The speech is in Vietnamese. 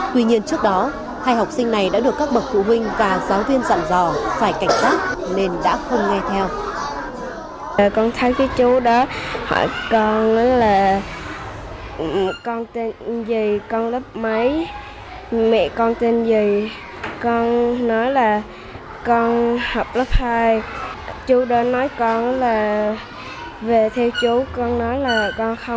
tuy nhiên trước đó hai học sinh này đã được các bậc phụ huynh và giáo viên dặn dò phải cảnh sát nên đã không nghe theo